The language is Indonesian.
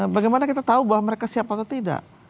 bagaimana kita tahu bahwa mereka siap atau tidak